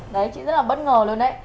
đấy chị rất là bất ngờ luôn đấy